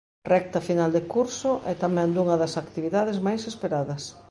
Recta final de curso, e tamén dunha das actividades máis esperadas.